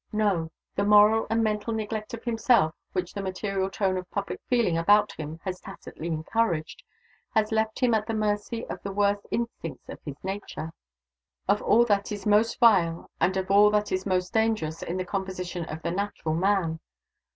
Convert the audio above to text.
No! The moral and mental neglect of himself, which the material tone of public feeling about him has tacitly encouraged, has left him at the mercy of the worst instincts in his nature of all that is most vile and of all that is most dangerous in the composition of the natural man.